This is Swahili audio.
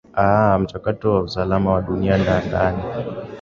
aah mchakato wa usalama wa dunia na ndani